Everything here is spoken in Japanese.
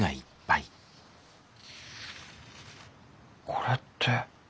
これって。